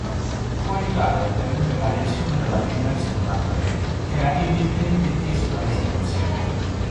Fu aiutato ad interrompere la tensione dall'avvicinarsi di un altro re, che era evidentemente teso dalla situazione.